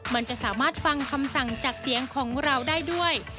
มันจะสามารถฟังคำสั่งจากเสียงของเราได้ด้วย